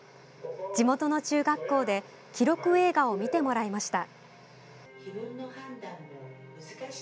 地元の中学校で記録映画を見てもらいました。